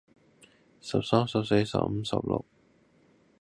This corruption especially affects the housing sector, the WikiLeaks documents show.